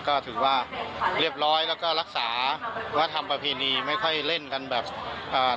ก็ถือว่าเรียบร้อยแล้วก็รักษาวัฒนธรรมประเพณีไม่ค่อยเล่นกันแบบอ่า